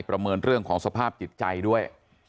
ประเมินเรื่องของสภาพจิตใจด้วย